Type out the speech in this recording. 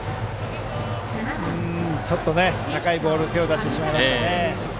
ちょっと高いボールに手を出してしまいました。